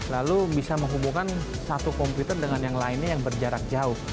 lalu bisa menghubungkan satu komputer dengan yang lainnya yang berjarak jauh